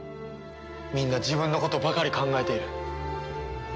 みんな自分のことばかり考えている。